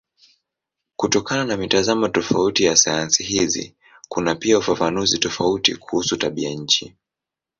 Kutokana na mitazamo tofauti ya sayansi hizi kuna pia ufafanuzi tofauti kuhusu tabianchi.